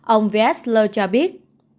ông wiesler cho biết